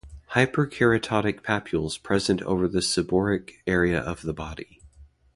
Hyperkeratotic papules present over the seborrheic area of the body.